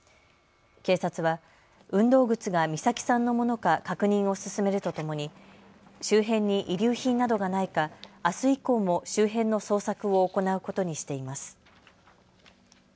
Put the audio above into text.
警察は運動靴が美咲さんのものか確認を進めるとともに周辺に遺留品などがないかあす以降も周辺の捜索を行うことにしています。